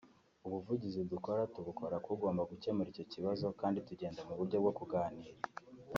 ubuvugizi dukora tubukora k’ugomba gucyemura icyo kibazo kandi tugenda mu buryo bwo kuganira